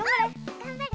頑張れ。